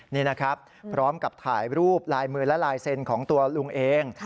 นี่นะครับพร้อมกับถ่ายรูปลายมือและลายเซ็นต์ของตัวลุงเอง